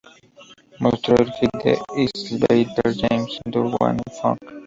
Mostró el hit de Sylvester James "Do you wanna funk?